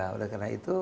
sudah karena itu